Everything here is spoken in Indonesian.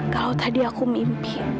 kalau tadi aku mimpi